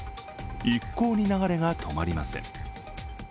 一向に流れが止まりません。